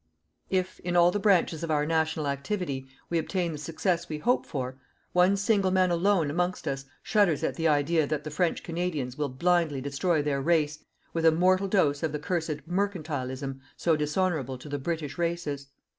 If, in all the branches of our national activity, we obtain the success we hope for, one single man alone amongst us shudders at the idea that the French Canadians will blindly destroy their race with a mortal dose of the cursed "MERCANTILISM" so dishonourable to the British races.